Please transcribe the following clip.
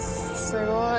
すごい。